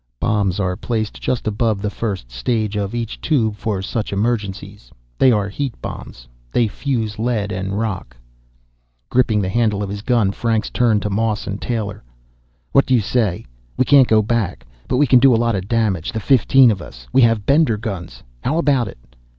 "Bombs are placed just above the first stage of each Tube for such emergencies. They are heat bombs. They fuse lead and rock." Gripping the handle of his gun, Franks turned to Moss and Taylor. "What do you say? We can't go back, but we can do a lot of damage, the fifteen of us. We have Bender guns. How about it?"